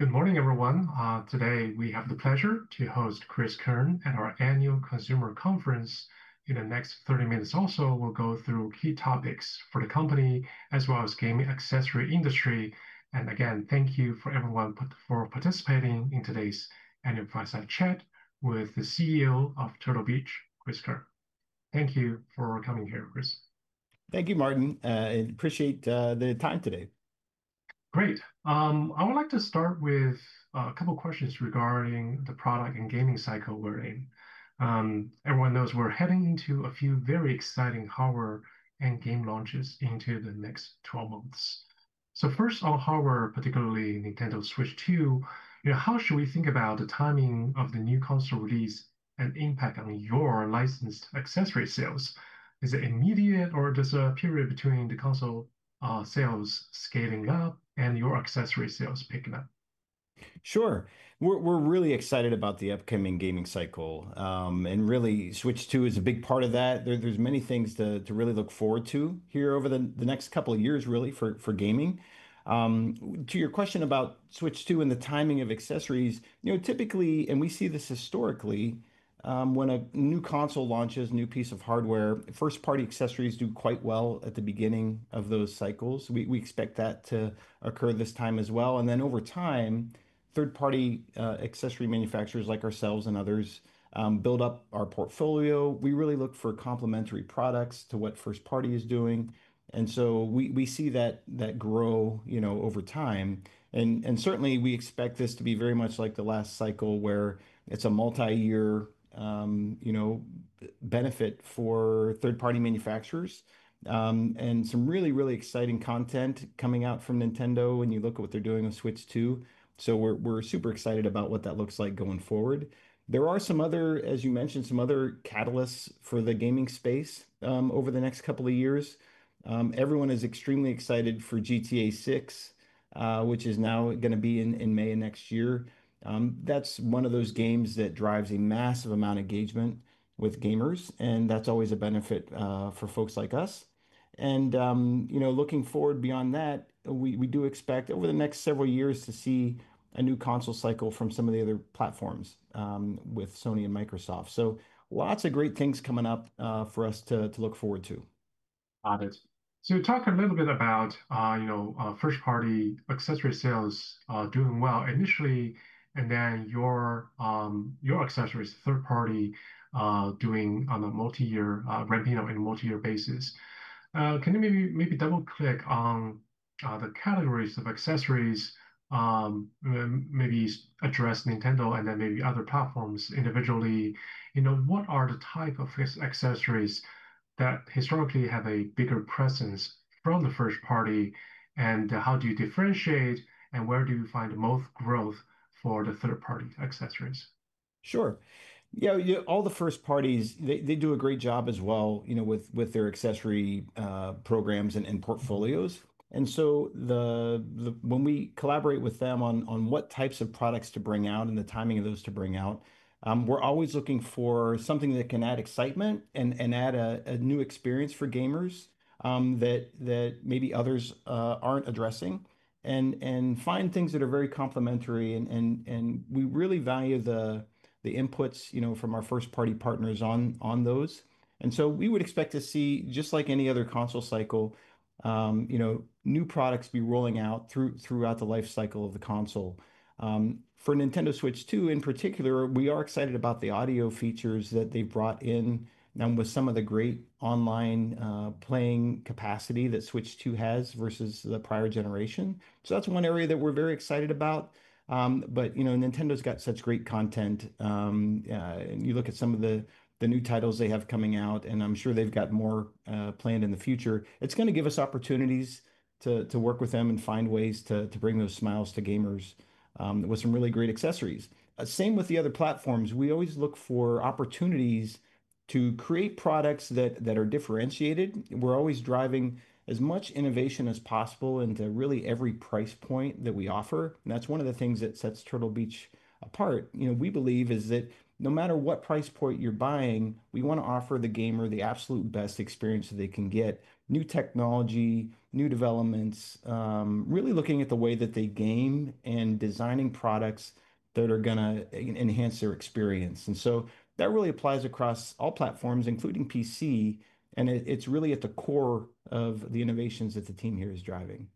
Good morning, everyone. Today we have the pleasure to host Cris Keirn at our annual consumer conference. In the next 30 minutes or so, we'll go through key topics for the company, as well as the gaming accessory industry. Thank you for everyone for participating in today's annual fireside chat with the CEO of Turtle Beach, Cris Keirn. Thank you for coming here, Cris. Thank you, Martin, and appreciate the time today. Great. I would like to start with a couple of questions regarding the product and gaming cycle we're in. Everyone knows we're heading into a few very exciting hardware and game launches in the next 12 months. First on hardware, particularly Nintendo Switch 2, how should we think about the timing of the new console release and impact on your licensed accessory sales? Is it immediate, or is there a period between the console sales scaling up and your accessory sales picking up? Sure. We're really excited about the upcoming gaming cycle. Really, Switch 2 is a big part of that. There's many things to really look forward to here over the next couple of years, really, for gaming. To your question about Switch 2 and the timing of accessories, typically, and we see this historically, when a new console launches, new piece of hardware, first-party accessories do quite well at the beginning of those cycles. We expect that to occur this time as well. Over time, third-party accessory manufacturers like ourselves and others build up our portfolio. We really look for complementary products to what first-party is doing. We see that grow over time. Certainly, we expect this to be very much like the last cycle, where it is a multi-year benefit for third-party manufacturers and some really, really exciting content coming out from Nintendo when you look at what they are doing with Switch 2. We are super excited about what that looks like going forward. There are, as you mentioned, some other catalysts for the gaming space over the next couple of years. Everyone is extremely excited for GTA VI, which is now going to be in May next year. That is one of those games that drives a massive amount of engagement with gamers. That is always a benefit for folks like us. Looking forward beyond that, we do expect over the next several years to see a new console cycle from some of the other platforms with Sony and Microsoft. Lots of great things coming up for us to look forward to. Got it. You talked a little bit about first-party accessory sales doing well initially, and then your accessories, third-party, doing on a multi-year ramping up on a multi-year basis. Can you maybe double-click on the categories of accessories, maybe address Nintendo and then maybe other platforms individually? What are the type of accessories that historically have a bigger presence from the first party? How do you differentiate, and where do you find the most growth for the third-party accessories? Sure. All the first parties, they do a great job as well with their accessory programs and portfolios. When we collaborate with them on what types of products to bring out and the timing of those to bring out, we're always looking for something that can add excitement and add a new experience for gamers that maybe others aren't addressing and find things that are very complementary. We really value the inputs from our first-party partners on those. We would expect to see, just like any other console cycle, new products be rolling out throughout the life cycle of the console. For Nintendo Switch 2, in particular, we are excited about the audio features that they've brought in and with some of the great online playing capacity that Switch 2 has versus the prior generation. That's one area that we're very excited about. Nintendo's got such great content. You look at some of the new titles they have coming out, and I'm sure they've got more planned in the future. It's going to give us opportunities to work with them and find ways to bring those smiles to gamers with some really great accessories. Same with the other platforms. We always look for opportunities to create products that are differentiated. We're always driving as much innovation as possible into really every price point that we offer. That's one of the things that sets Turtle Beach apart, we believe, is that no matter what price point you're buying, we want to offer the gamer the absolute best experience that they can get, new technology, new developments, really looking at the way that they game and designing products that are going to enhance their experience. That really applies across all platforms, including PC. It's really at the core of the innovations that the team here is driving.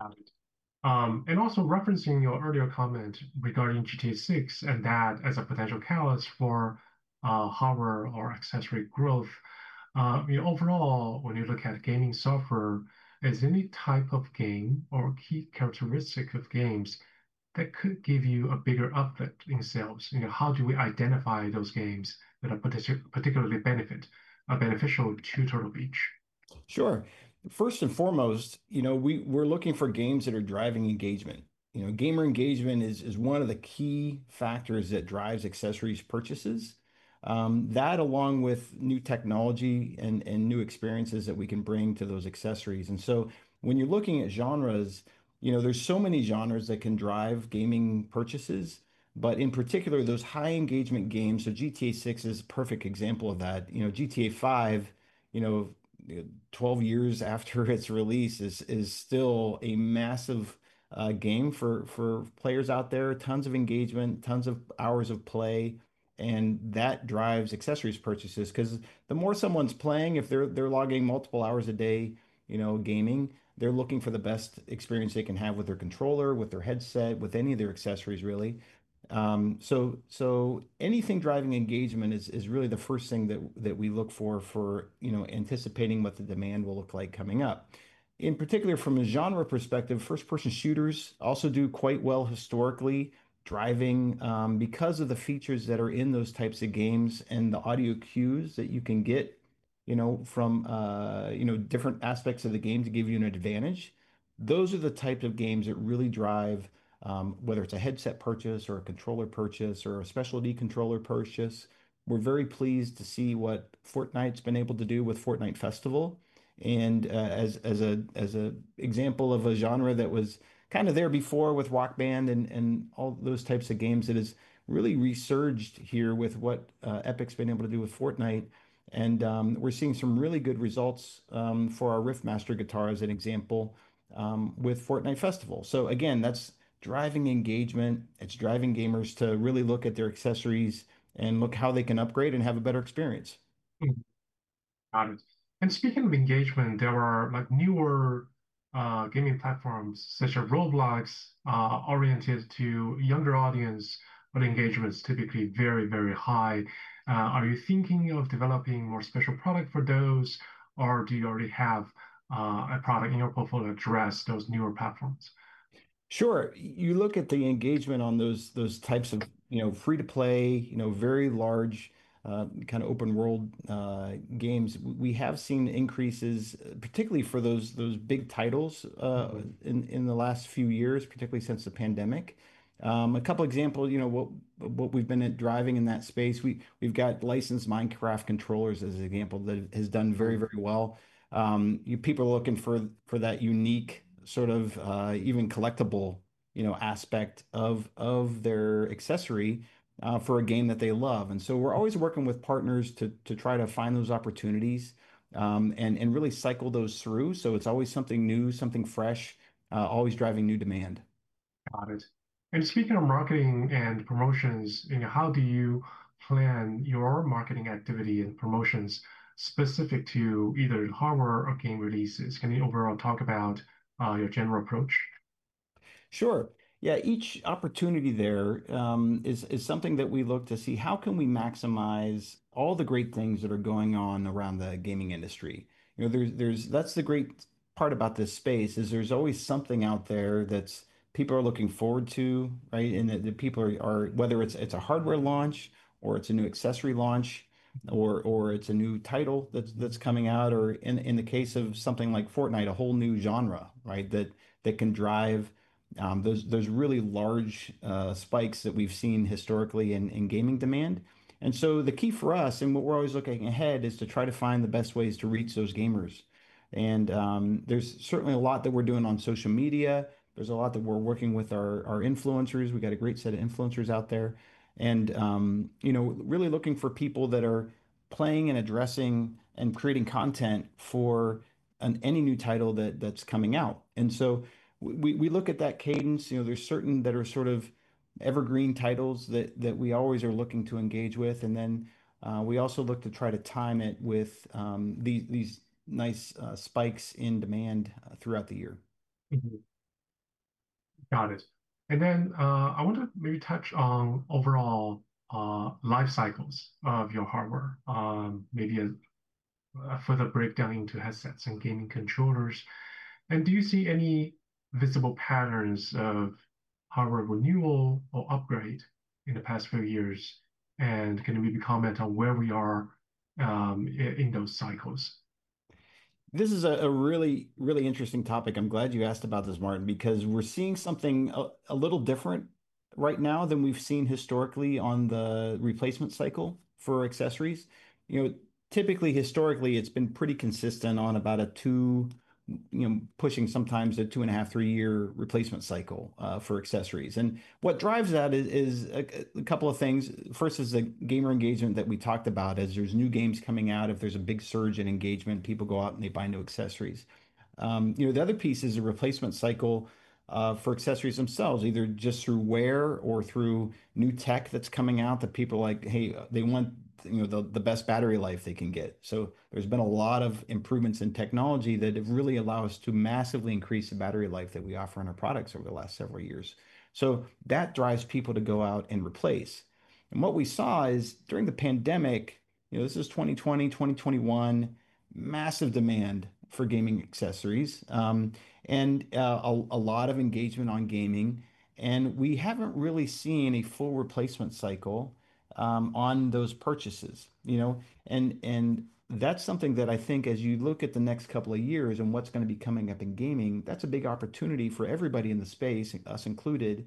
Got it. Also referencing your earlier comment regarding GTA VI and that as a potential catalyst for hardware or accessory growth, overall, when you look at gaming software, is there any type of game or key characteristic of games that could give you a bigger uplift in sales? How do we identify those games that are particularly beneficial to Turtle Beach? Sure. First and foremost, we're looking for games that are driving engagement. Gamer engagement is one of the key factors that drives accessories purchases, that along with new technology and new experiences that we can bring to those accessories. When you're looking at genres, there's so many genres that can drive gaming purchases. In particular, those high-engagement games, so GTA VI is a perfect example of that. GTA V, 12 years after its release, is still a massive game for players out there, tons of engagement, tons of hours of play. That drives accessories purchases because the more someone's playing, if they're logging multiple hours a day gaming, they're looking for the best experience they can have with their controller, with their headset, with any of their accessories, really. Anything driving engagement is really the first thing that we look for anticipating what the demand will look like coming up. In particular, from a genre perspective, first-person shooters also do quite well historically driving because of the features that are in those types of games and the audio cues that you can get from different aspects of the game to give you an advantage. Those are the types of games that really drive, whether it's a headset purchase or a controller purchase or a specialty controller purchase. We're very pleased to see what Fortnite's been able to do with Fortnite Festival. As an example of a genre that was kind of there before with Walkman and all those types of games, it has really resurged here with what Epic's been able to do with Fortnite. We're seeing some really good results for our Riffmaster guitar, as an example, with Fortnite Festival. Again, that's driving engagement. It's driving gamers to really look at their accessories and look how they can upgrade and have a better experience. Got it. Speaking of engagement, there are newer gaming platforms such as Roblox oriented to a younger audience, but engagement's typically very, very high. Are you thinking of developing more special products for those, or do you already have a product in your portfolio to address those newer platforms? Sure. You look at the engagement on those types of free-to-play, very large kind of open-world games. We have seen increases, particularly for those big titles in the last few years, particularly since the pandemic. A couple of examples of what we've been driving in that space, we've got licensed Minecraft controllers as an example that has done very, very well. People are looking for that unique sort of even collectible aspect of their accessory for a game that they love. We are always working with partners to try to find those opportunities and really cycle those through. It is always something new, something fresh, always driving new demand. Got it. Speaking of marketing and promotions, how do you plan your marketing activity and promotions specific to either hardware or game releases? Can you overall talk about your general approach? Sure. Yeah, each opportunity there is something that we look to see how can we maximize all the great things that are going on around the gaming industry. That's the great part about this space is there's always something out there that people are looking forward to, right? That people are, whether it's a hardware launch or it's a new accessory launch or it's a new title that's coming out, or in the case of something like Fortnite, a whole new genre that can drive those really large spikes that we've seen historically in gaming demand. The key for us, and what we're always looking ahead, is to try to find the best ways to reach those gamers. There's certainly a lot that we're doing on social media. There's a lot that we're working with our influencers. We've got a great set of influencers out there. Really looking for people that are playing and addressing and creating content for any new title that's coming out. We look at that cadence. There are certain that are sort of evergreen titles that we always are looking to engage with. We also look to try to time it with these nice spikes in demand throughout the year. Got it. I want to maybe touch on overall life cycles of your hardware, maybe a further breakdown into headsets and gaming controllers. Do you see any visible patterns of hardware renewal or upgrade in the past few years? Can you maybe comment on where we are in those cycles? This is a really, really interesting topic. I'm glad you asked about this, Martin, because we're seeing something a little different right now than we've seen historically on the replacement cycle for accessories. Typically, historically, it's been pretty consistent on about a two, pushing sometimes a 2.5, three-year replacement cycle for accessories. What drives that is a couple of things. First is the gamer engagement that we talked about, as there's new games coming out, if there's a big surge in engagement, people go out and they buy new accessories. The other piece is the replacement cycle for accessories themselves, either just through wear or through new tech that's coming out that people are like, "Hey, they want the best battery life they can get." There has been a lot of improvements in technology that have really allowed us to massively increase the battery life that we offer on our products over the last several years. That drives people to go out and replace. What we saw is during the pandemic, this is 2020, 2021, massive demand for gaming accessories and a lot of engagement on gaming. We have not really seen a full replacement cycle on those purchases. That is something that I think as you look at the next couple of years and what is going to be coming up in gaming, that is a big opportunity for everybody in the space, us included,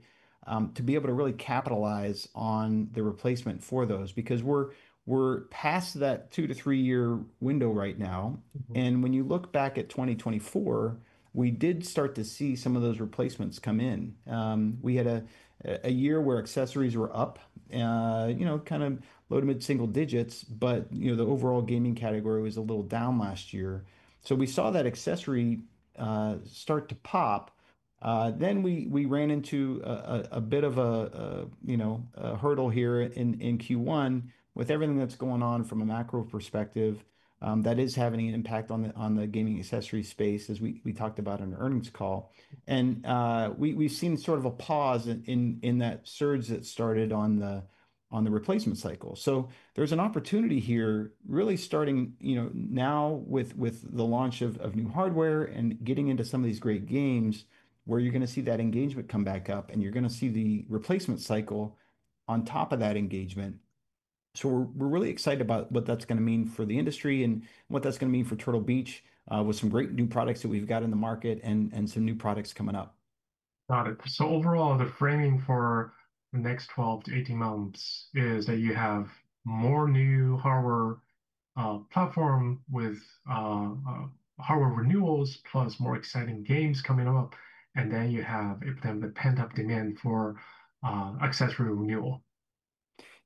to be able to really capitalize on the replacement for those because we are past that two- to three-year window right now. When you look back at 2024, we did start to see some of those replacements come in. We had a year where accessories were up, kind of low- to mid-single digits, but the overall gaming category was a little down last year. We saw that accessory start to pop. We ran into a bit of a hurdle here in Q1 with everything that is going on from a macro perspective that is having an impact on the gaming accessory space, as we talked about in our earnings call. We've seen sort of a pause in that surge that started on the replacement cycle. There is an opportunity here really starting now with the launch of new hardware and getting into some of these great games where you're going to see that engagement come back up and you're going to see the replacement cycle on top of that engagement. We are really excited about what that's going to mean for the industry and what that's going to mean for Turtle Beach with some great new products that we've got in the market and some new products coming up. Got it. So overall, the framing for the next 12-18 months is that you have more new hardware platform with hardware renewals plus more exciting games coming up, and then you have the pent-up demand for accessory renewal.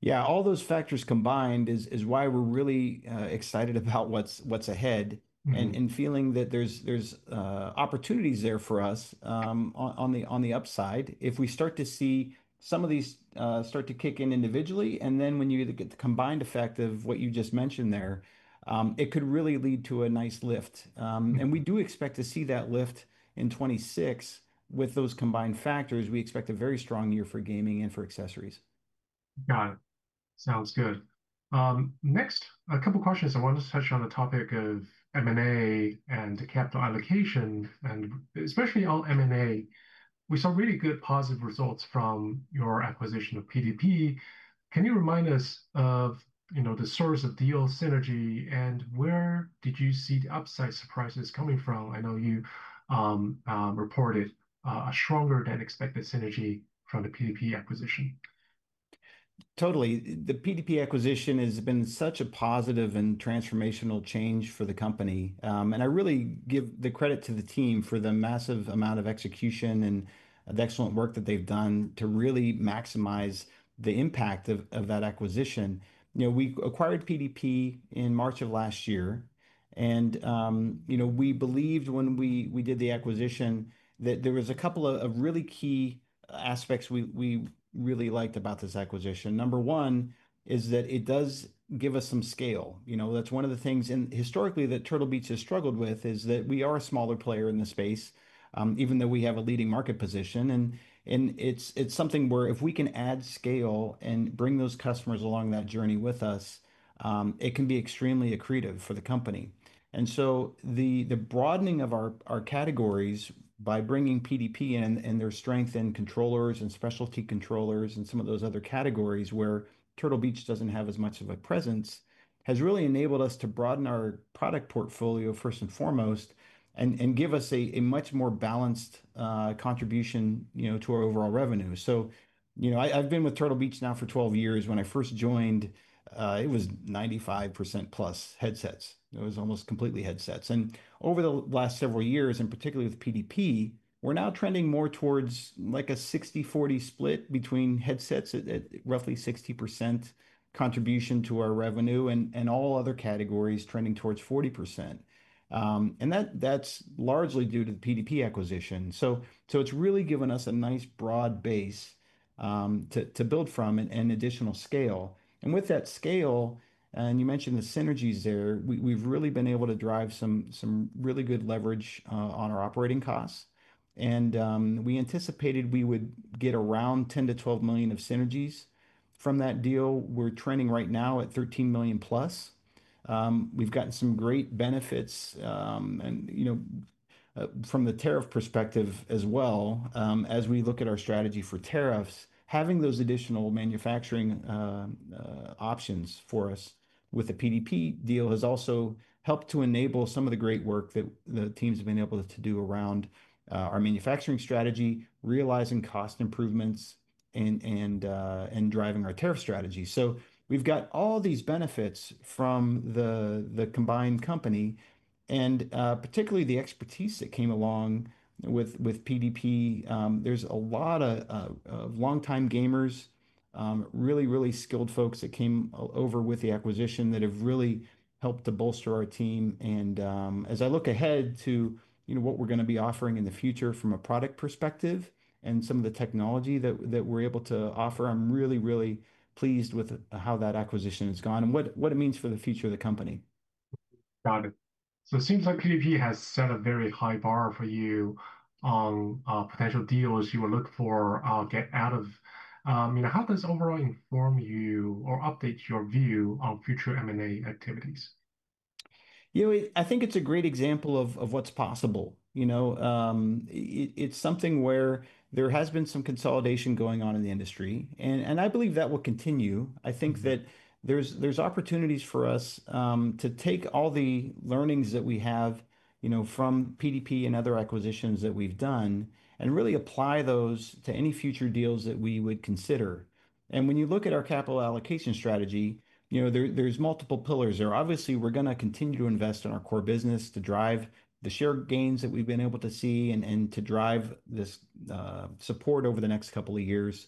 Yeah, all those factors combined is why we're really excited about what's ahead and feeling that there's opportunities there for us on the upside if we start to see some of these start to kick in individually. When you get the combined effect of what you just mentioned there, it could really lead to a nice lift. We do expect to see that lift in 2026. With those combined factors, we expect a very strong year for gaming and for accessories. Got it. Sounds good. Next, a couple of questions. I wanted to touch on the topic of M&A and capital allocation, and especially all M&A. We saw really good positive results from your acquisition of PDP. Can you remind us of the source of deal synergy and where did you see the upside surprises coming from? I know you reported a stronger-than-expected synergy from the PDP acquisition. Totally. The PDP acquisition has been such a positive and transformational change for the company. I really give the credit to the team for the massive amount of execution and the excellent work that they've done to really maximize the impact of that acquisition. We acquired PDP in March of last year. We believed when we did the acquisition that there was a couple of really key aspects we really liked about this acquisition. Number one is that it does give us some scale. That's one of the things historically that Turtle Beach has struggled with is that we are a smaller player in the space, even though we have a leading market position. It's something where if we can add scale and bring those customers along that journey with us, it can be extremely accretive for the company. The broadening of our categories by bringing PDP and their strength in controllers and specialty controllers and some of those other categories where Turtle Beach does not have as much of a presence has really enabled us to broaden our product portfolio first and foremost and give us a much more balanced contribution to our overall revenue. I have been with Turtle Beach now for 12 years. When I first joined, it was 95%+ headsets. It was almost completely headsets. Over the last several years, and particularly with PDP, we are now trending more towards like a 60/40 split between headsets at roughly 60% contribution to our revenue and all other categories trending towards 40%. That is largely due to the PDP acquisition. It has really given us a nice broad base to build from and additional scale. With that scale, and you mentioned the synergies there, we've really been able to drive some really good leverage on our operating costs. We anticipated we would get around $10 million-$12 million of synergies from that deal. We're trending right now at $13 million+. We've gotten some great benefits from the tariff perspective as well. As we look at our strategy for tariffs, having those additional manufacturing options for us with the PDP deal has also helped to enable some of the great work that the teams have been able to do around our manufacturing strategy, realizing cost improvements and driving our tariff strategy. We've got all these benefits from the combined company and particularly the expertise that came along with PDP. are a lot of longtime gamers, really, really skilled folks that came over with the acquisition that have really helped to bolster our team. As I look ahead to what we are going to be offering in the future from a product perspective and some of the technology that we are able to offer, I am really, really pleased with how that acquisition has gone and what it means for the future of the company. Got it. So it seems like PDP has set a very high bar for you on potential deals you will look for or get out of. How does overall inform you or update your view on future M&A activities? I think it's a great example of what's possible. It's something where there has been some consolidation going on in the industry, and I believe that will continue. I think that there's opportunities for us to take all the learnings that we have from PDP and other acquisitions that we've done and really apply those to any future deals that we would consider. When you look at our capital allocation strategy, there's multiple pillars. Obviously, we're going to continue to invest in our core business to drive the share gains that we've been able to see and to drive this support over the next couple of years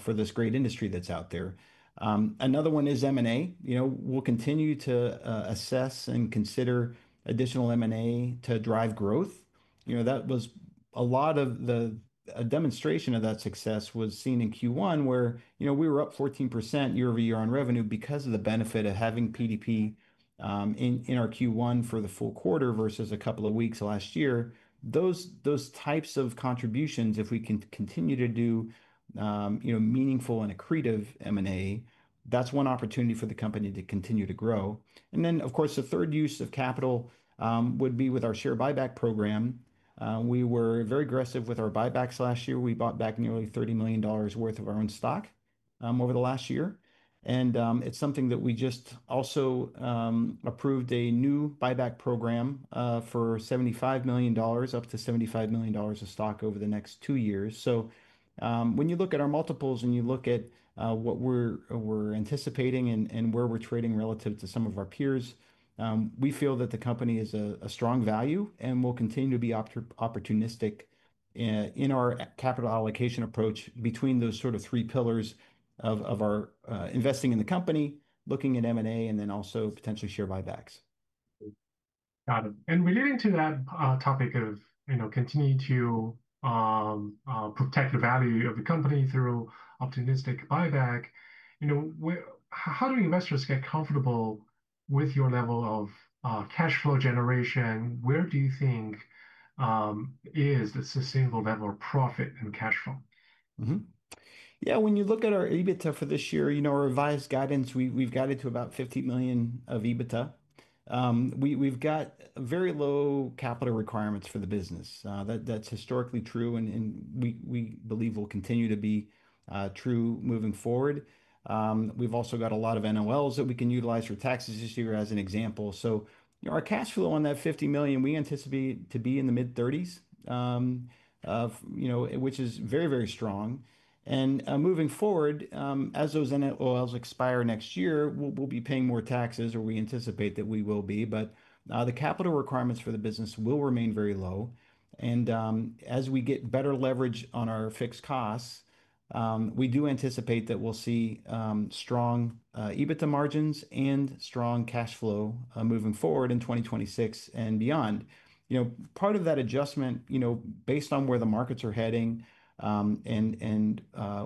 for this great industry that's out there. Another one is M&A. We'll continue to assess and consider additional M&A to drive growth. That was a lot of the demonstration of that success was seen in Q1, where we were up 14% year-over-year on revenue because of the benefit of having PDP in our Q1 for the full quarter versus a couple of weeks last year. Those types of contributions, if we can continue to do meaningful and accretive M&A, that's one opportunity for the company to continue to grow. The third use of capital would be with our share buyback program. We were very aggressive with our buybacks last year. We bought back nearly $30 million worth of our own stock over the last year. It is something that we just also approved a new buyback program for $75 million, up to $75 million of stock over the next two years. When you look at our multiples and you look at what we're anticipating and where we're trading relative to some of our peers, we feel that the company is a strong value and will continue to be opportunistic in our capital allocation approach between those sort of three pillars of our investing in the company, looking at M&A, and then also potentially share buybacks. Got it. Relating to that topic of continuing to protect the value of the company through optimistic buyback, how do investors get comfortable with your level of cash flow generation? Where do you think is the sustainable level of profit and cash flow? Yeah, when you look at our EBITDA for this year, our revised guidance, we've guided to about $15 million of EBITDA. We've got very low capital requirements for the business. That's historically true, and we believe will continue to be true moving forward. We've also got a lot of NOLs that we can utilize for taxes this year as an example. Our cash flow on that $50 million, we anticipate to be in the mid-30s, which is very, very strong. Moving forward, as those NOLs expire next year, we'll be paying more taxes, or we anticipate that we will be. The capital requirements for the business will remain very low. As we get better leverage on our fixed costs, we do anticipate that we'll see strong EBITDA margins and strong cash flow moving forward in 2026 and beyond. Part of that adjustment, based on where the markets are heading, and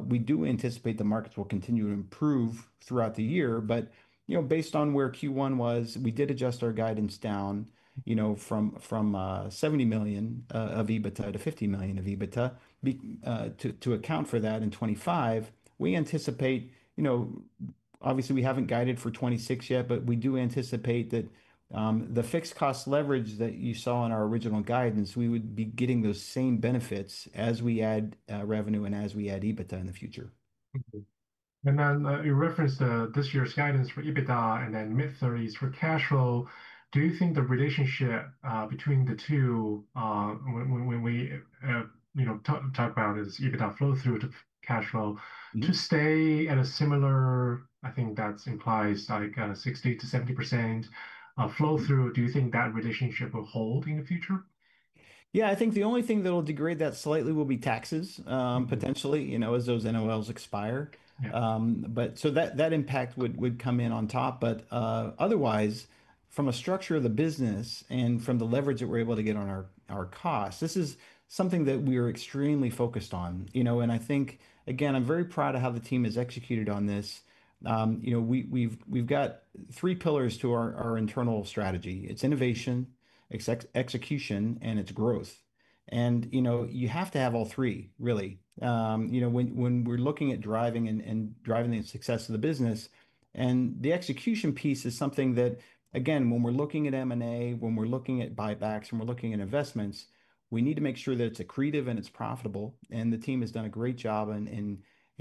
we do anticipate the markets will continue to improve throughout the year. Based on where Q1 was, we did adjust our guidance down from $70 million of EBITDA to $50 million of EBITDA to account for that in 2025. We anticipate, obviously, we have not guided for 2026 yet, but we do anticipate that the fixed cost leverage that you saw in our original guidance, we would be getting those same benefits as we add revenue and as we add EBITDA in the future. You referenced this year's guidance for EBITDA and then mid-30s for cash flow. Do you think the relationship between the two, when we talk about is EBITDA flow through to cash flow, to stay at a similar, I think that implies like 60-70% flow through, do you think that relationship will hold in the future? Yeah, I think the only thing that will degrade that slightly will be taxes potentially as those NOLs expire. That impact would come in on top. Otherwise, from a structure of the business and from the leverage that we're able to get on our costs, this is something that we are extremely focused on. I think, again, I'm very proud of how the team has executed on this. We've got three pillars to our internal strategy. It's innovation, execution, and it's growth. You have to have all three, really. When we're looking at driving and driving the success of the business, the execution piece is something that, again, when we're looking at M&A, when we're looking at buybacks, when we're looking at investments, we need to make sure that it's accretive and it's profitable. The team has done a great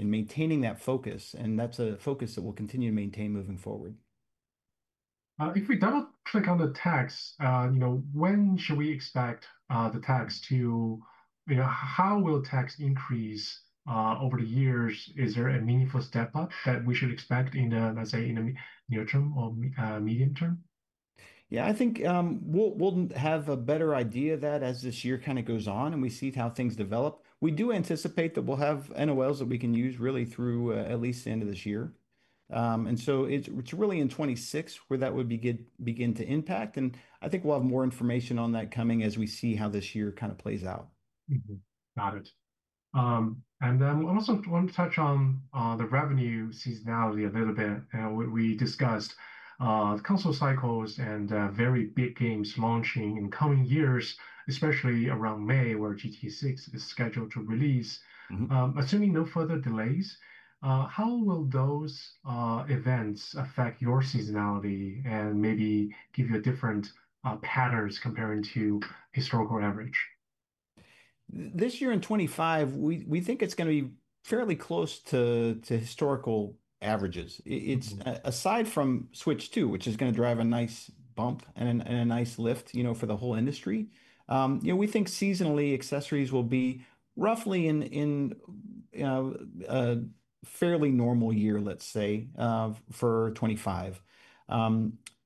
job in maintaining that focus. That is a focus that we'll continue to maintain moving forward. If we double-click on the tax, when should we expect the tax to, how will tax increase over the years? Is there a meaningful step up that we should expect in the, let's say, in the near term or medium term? Yeah, I think we'll have a better idea of that as this year kind of goes on and we see how things develop. We do anticipate that we'll have NOLs that we can use really through at least the end of this year. It's really in 2026 where that would begin to impact. I think we'll have more information on that coming as we see how this year kind of plays out. Got it. I also want to touch on the revenue seasonality a little bit. We discussed console cycles and very big games launching in coming years, especially around May where GTA VI is scheduled to release. Assuming no further delays, how will those events affect your seasonality and maybe give you different patterns comparing to historical average? This year in 2025, we think it's going to be fairly close to historical averages. Aside from Switch 2, which is going to drive a nice bump and a nice lift for the whole industry, we think seasonally accessories will be roughly in a fairly normal year, let's say, for 2025.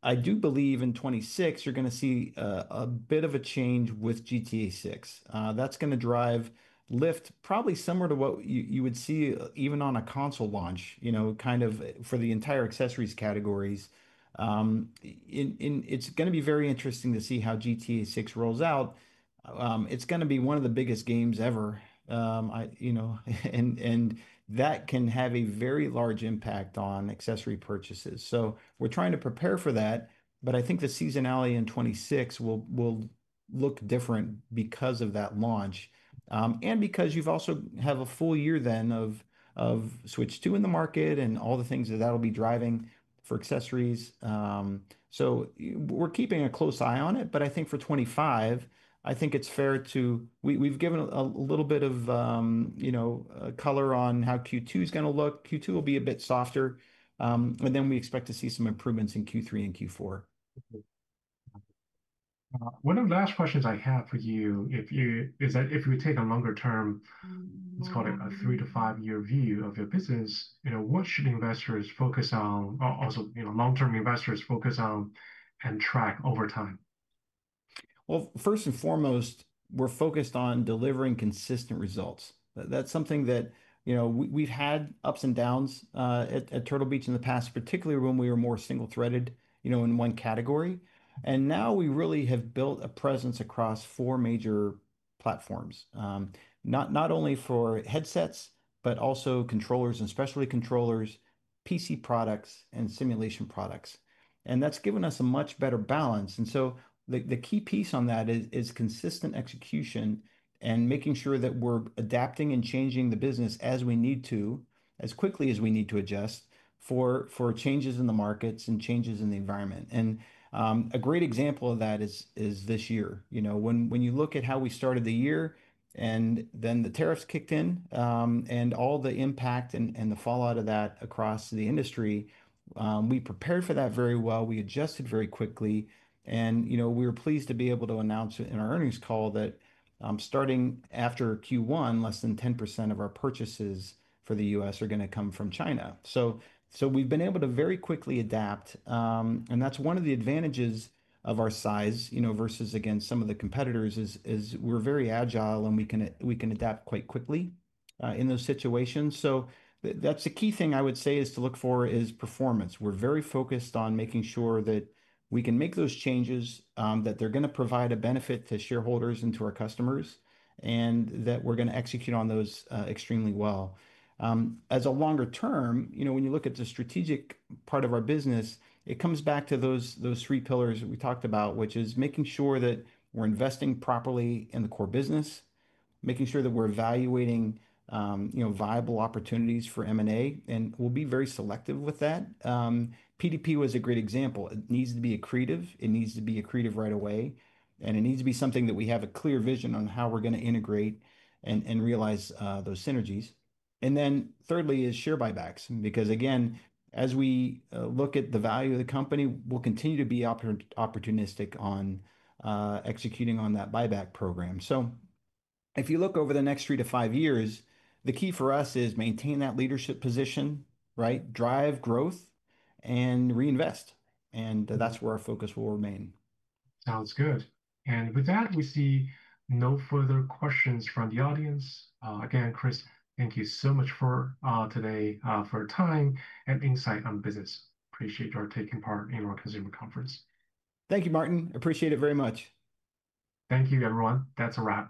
I do believe in 2026, you're going to see a bit of a change with GTA VI. That's going to drive lift probably similar to what you would see even on a console launch kind of for the entire accessories categories. It's going to be very interesting to see how GTA VI rolls out. It's going to be one of the biggest games ever. That can have a very large impact on accessory purchases. We are trying to prepare for that. I think the seasonality in 2026 will look different because of that launch and because you also have a full year then of Switch 2 in the market and all the things that that will be driving for accessories. We are keeping a close eye on it. I think for 2025, I think it is fair to, we have given a little bit of color on how Q2 is going to look. Q2 will be a bit softer. We expect to see some improvements in Q3 and Q4. One of the last questions I have for you is that if you take a longer term, let's call it a three to five year view of your business, what should investors focus on, also long-term investors focus on and track over time? First and foremost, we're focused on delivering consistent results. That's something that we've had ups and downs at Turtle Beach in the past, particularly when we were more single-threaded in one category. Now we really have built a presence across four major platforms, not only for headsets, but also controllers and specialty controllers, PC products, and simulation products. That's given us a much better balance. The key piece on that is consistent execution and making sure that we're adapting and changing the business as we need to, as quickly as we need to adjust for changes in the markets and changes in the environment. A great example of that is this year. When you look at how we started the year and then the tariffs kicked in and all the impact and the fallout of that across the industry, we prepared for that very well. We adjusted very quickly. We were pleased to be able to announce in our earnings call that starting after Q1, less than 10% of our purchases for the U.S. are going to come from China. We have been able to very quickly adapt. That is one of the advantages of our size versus against some of the competitors is we are very agile and we can adapt quite quickly in those situations. That is the key thing I would say is to look for is performance. We're very focused on making sure that we can make those changes, that they're going to provide a benefit to shareholders and to our customers, and that we're going to execute on those extremely well. As a longer term, when you look at the strategic part of our business, it comes back to those three pillars that we talked about, which is making sure that we're investing properly in the core business, making sure that we're evaluating viable opportunities for M&A, and we'll be very selective with that. PDP was a great example. It needs to be accretive. It needs to be accretive right away. It needs to be something that we have a clear vision on how we're going to integrate and realize those synergies. Thirdly is share buybacks. Because again, as we look at the value of the company, we'll continue to be opportunistic on executing on that buyback program. If you look over the next three to five years, the key for us is maintain that leadership position, drive growth, and reinvest. That's where our focus will remain. Sounds good. With that, we see no further questions from the audience. Again, Cris, thank you so much for today, for your time and insight on business. Appreciate your taking part in our consumer conference. Thank you, Martin. Appreciate it very much. Thank you, everyone. That's a wrap.